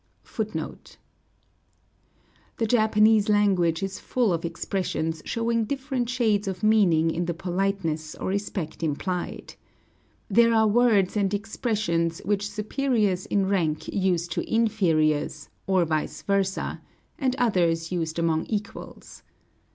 The Japanese language is full of expressions showing different shades of meaning in the politeness or respect implied. There are words and expressions which superiors in rank use to inferiors, or vice versa, and others used among equals.